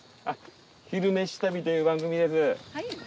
「昼めし旅」という番組です。